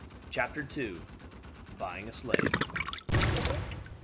CHAPTER II. BUYING A SLAVE.